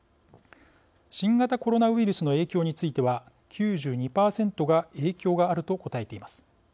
新型コロナウイルスの影響については９２％が影響があると答えています。